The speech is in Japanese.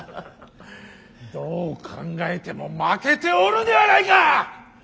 どう考えても負けておるではないか！